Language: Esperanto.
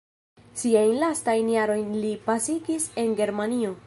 Siajn lastajn jarojn li pasigis en Germanio.